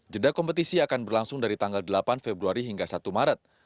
jeda kompetisi akan berlangsung dari tanggal delapan februari hingga satu maret